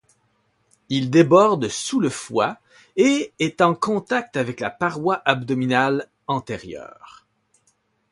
Il déborde sous le foie et est en contact avec la paroi abdominale antérieure.